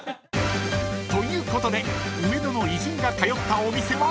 ［ということで上野の偉人が通ったお店はこちら］